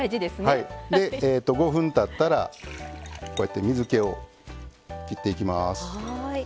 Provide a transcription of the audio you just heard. ５分たったら水けを切っていきます。